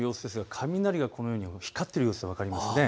雷がこのように光っている様子が分かります。